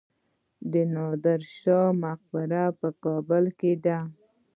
د نادر شاه مقبره په کابل کې ده